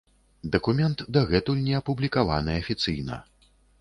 Дакумент дагэтуль не апублікаваны афіцыйна.